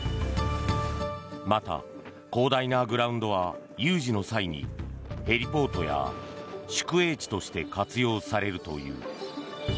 また広大なグラウンドは有事の際にへリポートや宿営地として活用されるという。